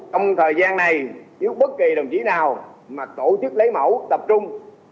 trong thời gian này nếu bất kỳ đồng chí nào mà tổ chức lấy mẫu tập trung